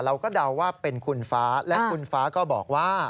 เดาว่าเป็นคุณฟ้าและคุณฟ้าก็บอกว่า